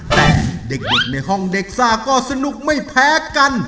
แต่เด็กในห้องเด็กซ่าก็สนุกไม่แพ้กัน